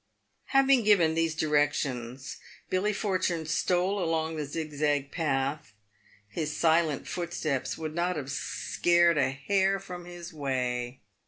Having given these directions, Billy Fortune stole along the zig zag path. His silent footsteps would not have scared a hare from his way.